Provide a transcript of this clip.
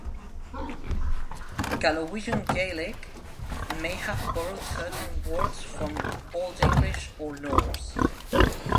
Gallowegian Gaelic may have borrowed certain words from Old English or Norse.